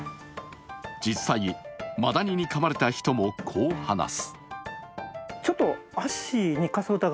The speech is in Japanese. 実際、マダニにかまれた人もこう話す。